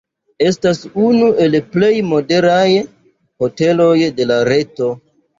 Estas unu el plej modernaj hoteloj de la reto.